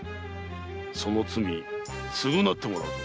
その罪つぐなってもらうぞ。